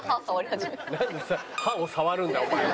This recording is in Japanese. なんで歯を触るんだお前ら。